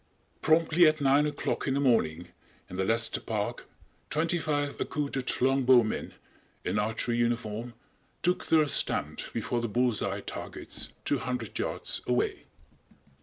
Promptly at nine o'clock in the morning, in the Leicester Park, twenty five accoutered long bow men, in archery uniform, took their stand before the bull's eye targets two hundred yards away.